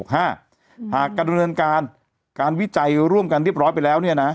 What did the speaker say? หากการดำเนินการการวิจัยร่วมกันเรียบร้อยไปแล้ว